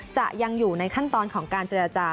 จะยังอยู่ในขั้นตอนของการเจรจา